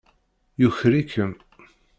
Yuker-ikem.